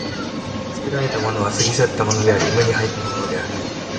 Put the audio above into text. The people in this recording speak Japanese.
作られたものは過ぎ去ったものであり、無に入ったものである。